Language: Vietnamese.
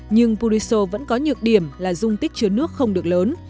nhưng puriso vẫn có nhược điểm là dung tích chứa nước không được lớn